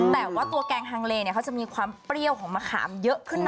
แต่ว่าตัวแกงฮังเลเขาจะมีความเปรี้ยวของมะขามเยอะขึ้นนะ